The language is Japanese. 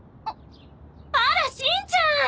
あらしんちゃん！